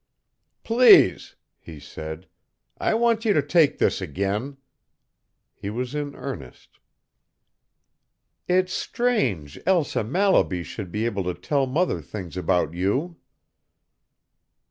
"Please," he said, "I want you to take this again." He was in earnest. "It's strange Elsa Mallaby should be able to tell mother things about you."